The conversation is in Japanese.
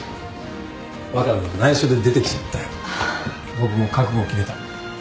僕も覚悟を決めた。